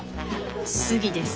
杉です。